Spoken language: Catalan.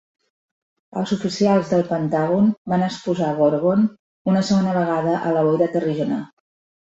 Els oficials del Pentàgon van exposar Gorgon una segona vegada a la Boira Terrígena.